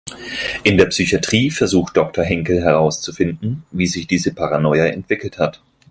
In der Psychatrie versucht Doktor Henkel herauszufinden, wie sich diese Paranoia entwickelt hat.